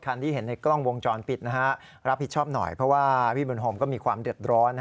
รับผิดชอบหน่อยเพราะว่าพี่บุญโฮมก็มีความเดือดร้อน